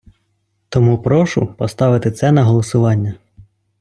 Тому прошу поставити це на голосування.